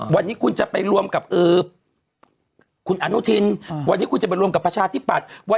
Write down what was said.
วันนี้คุณจะไปรวมกับคุณอนุทินวันนี้คุณจะไปรวมกับประชาธิปัตย์